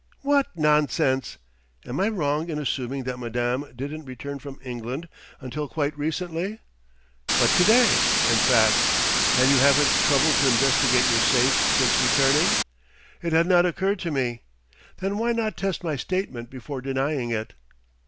"What nonsense !" "Am I wrong in assuming that madame didn't return from England until quite recently?" "But today, in fact " "And you haven't troubled to investigate your safe since returning?" "It had not occurred to me " "Then why not test my statement before denying it?"